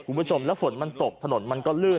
คุณผู้ชมแล้วฝนมันตกถนนมันก็ลื่น